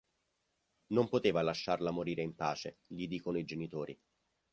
Non poteva lasciarla morire in pace, gli dicono i genitori.